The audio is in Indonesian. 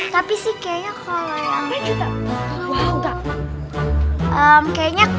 tapi sih kayaknya kalau yang